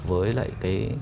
với lại cái